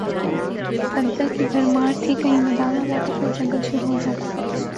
سبزہ کی بھرمار تھی کہیں میدان آ جاتا پھر جنگل شروع ہو جاتا